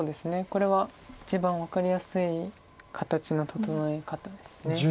これは一番分かりやすい形の整え方です。